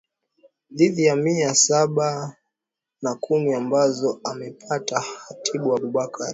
dhiti ya mia saba na kumi ambazo amepata hatibu abubakar